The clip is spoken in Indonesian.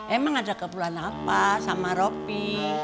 emang ada keperluan apa sama bopi